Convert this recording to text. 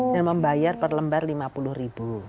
dan membayar per lembar rp lima puluh